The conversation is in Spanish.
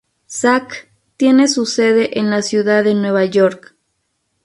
Saks tiene su sede en la Ciudad de Nueva York.